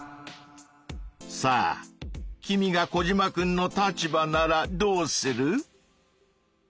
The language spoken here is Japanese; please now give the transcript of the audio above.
さあ君がコジマくんの立場ならどうする？